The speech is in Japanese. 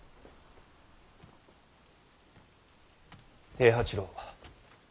平八郎。